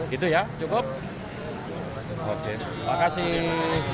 gitu ya cukup terima kasih